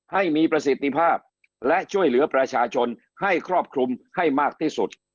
ให้มีประสิทธิภาพและช่วยเหลือประชาชนให้ครอบคลุมให้มากที่สุด